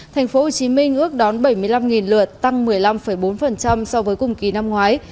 thành phố hồ chí minh ước đón bảy mươi năm lượt tăng một mươi năm bốn so với cùng kỳ năm ngoái